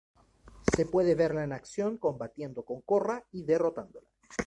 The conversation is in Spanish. Se puede verla en acción combatiendo con Korra y derrotándola.